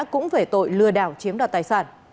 cũng về tội lừa đảo chiếm đoạt tài sản